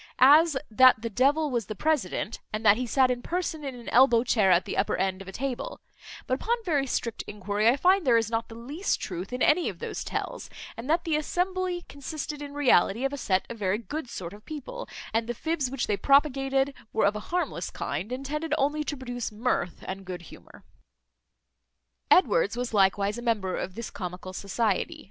As, that the devil was the president; and that he sat in person in an elbow chair at the upper end of the table; but, upon very strict enquiry, I find there is not the least truth in any of those tales, and that the assembly consisted in reality of a set of very good sort of people, and the fibs which they propagated were of a harmless kind, and tended only to produce mirth and good humour. Edwards was likewise a member of this comical society.